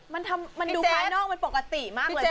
มันดูภายนอกมันปกติมากเลย